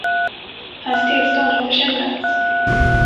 Hans tillstånd har försämrats.